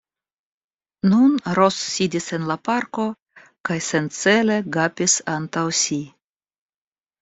Nun Ros sidis en la parko kaj sencele gapis antaŭ si.